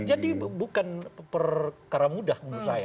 jadi bukan perkara mudah menurut saya